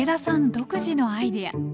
独自のアイデア。